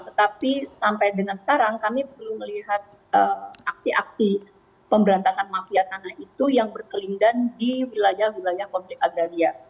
tetapi sampai dengan sekarang kami belum melihat aksi aksi pemberantasan mafia tanah itu yang berkelindan di wilayah wilayah konflik agraria